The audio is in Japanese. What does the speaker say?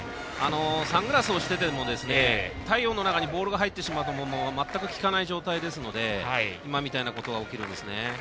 サングラスをしていても太陽の中にボールが入るとまったく効かない状態ですので今みたいなことが起こるんですね。